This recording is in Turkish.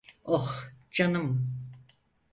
Oh, canım.